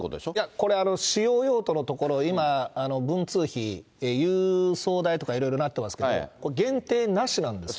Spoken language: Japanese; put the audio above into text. これ、使用用途のところ、今、文通費、郵送代とかいろいろなってますけど、これ、限定なしなんです。